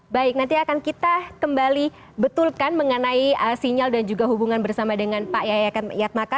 baik nanti akan kita kembali betulkan mengenai sinyal dan juga hubungan bersama dengan pak yayatmaka